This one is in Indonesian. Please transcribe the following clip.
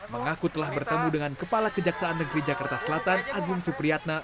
mengaku telah bertemu dengan kepala kejaksaan negeri jakarta selatan agung supriyatna